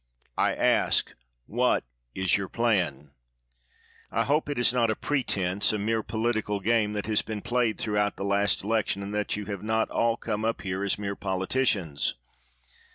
I ask, what is your plan? I hope it is not a pretense — a mere political game that has been played throughout the last election, and that you have not all come up here as mere politicians.